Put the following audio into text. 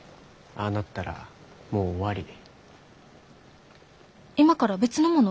ああなったらもう終わり。